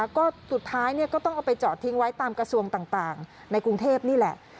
ก็สุดท้ายก็ต้องเอาไปจอดทิ้งไว้ตามกระทรวงต่างในกรุงเทพนี่แหละ